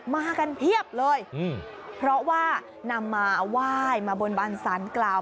มากันเพียบเลยเพราะว่านำมาไหว้มาบนบันสารกล่าว